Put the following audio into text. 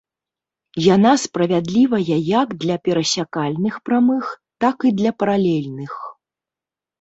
Яна справядлівая як для перасякальных прамых, так і для паралельных.